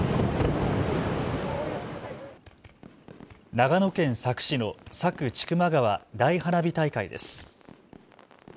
長野県佐久市の佐久千曲川大花火大会です。